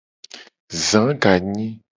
Za ganyi.